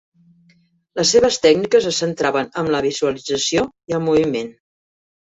Les seves tècniques es centraven en la visualització i el moviment.